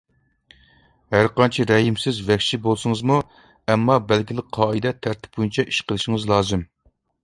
ھەر قانچە رەھىمسىز، ۋەھشىي بولسىڭىزمۇ، ئەمما بەلگىلىك قائىدە، تەرتىپ بويىچە ئىش قىلىشىڭىز لازىم.